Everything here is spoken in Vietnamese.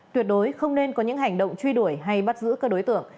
tuyệt đối không nên có những hành động truy đuổi hay bắt giữ các đối tượng